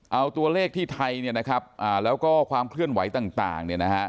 เอาตัวเลขที่ไทยแล้วก็ความเคลื่อนไหวต่าง